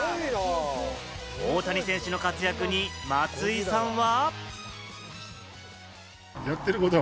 大谷選手の活躍に松井さんは。